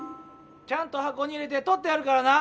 ちゃんとはこに入れてとってあるからな！